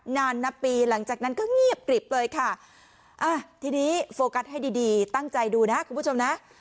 นานนับปีหลังจากนั้นก็เงียบกริบเลยค่ะอ่ะทีนี้โฟกัสให้ดีดีตั้งใจดูนะคุณผู้ชมนะ